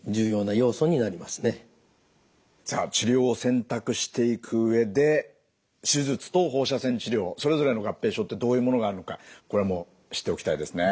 さあ治療を選択していく上で手術と放射線治療それぞれの合併症ってどういうものがあるのかこれも知っておきたいですね。